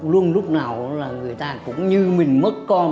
luôn lúc nào là người ta cũng như mình mất con